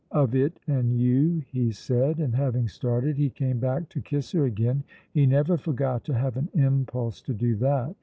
"Of it and you," he said; and having started, he came back to kiss her again; he never forgot to have an impulse to do that.